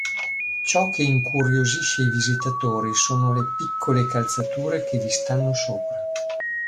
Ciò che incuriosisce i visitatori sono le piccole calzature che vi stanno sopra.